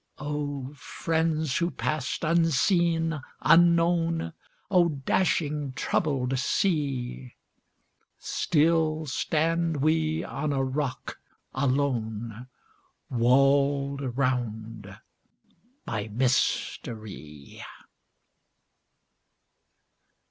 O friends who passed unseen, unknown! O dashing, troubled sea! Still stand we on a rock alone, Walled round by mystery.